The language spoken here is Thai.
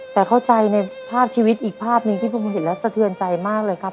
แต่เข้าใจในภาพชีวิตอีกภาพหนึ่งที่ผมเห็นแล้วสะเทือนใจมากเลยครับ